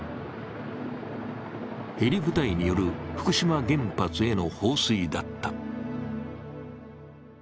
ヘリ部隊による福島原発への放水だった。